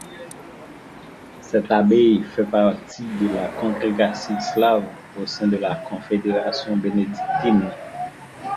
Cette abbaye fait partie de la congrégation slave au sein de la confédération bénédictine.